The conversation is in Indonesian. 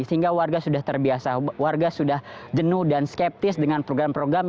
sehingga warga sudah terbiasa warga sudah jenuh dan skeptis dengan program program